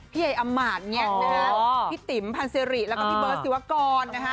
พี่ไอ้อำมาตย์พี่ติ๋มพันธ์เซรี่แล้วก็พี่เบิร์ดศิวากร